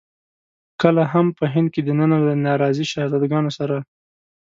کله هم په هند کې دننه له ناراضي شهزاده ګانو سره.